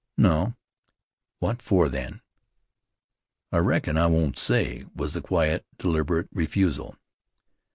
"No." "What for, then?" "I reckon I won't say," was the quiet, deliberate refusal.